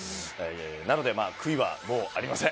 なのでまあ、悔いはもうありません。